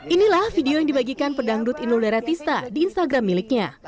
inilah video yang dibagikan pedangdut inul daratista di instagram miliknya